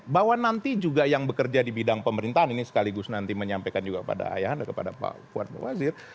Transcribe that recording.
bahwa nanti juga yang bekerja di bidang pemerintahan ini sekaligus nanti menyampaikan juga pada ayah anda kepada pak fuad bawazir